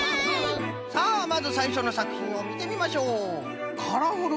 さあまずさいしょのさくひんをみてみましょう！